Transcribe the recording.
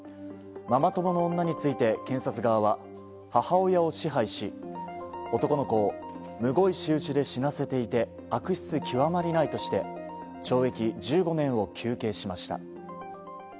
ママ友の女について検察側は母親を支配し、男の子をむごい仕打ちで死なせていて悪質極まりないとして懲役１５年を求刑しました。